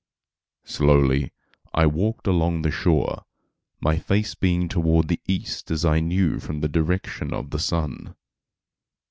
Slowly I walked along the shore, my face being toward the east as I knew from the direction of the sun.